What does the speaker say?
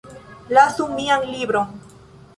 Lasu mian libron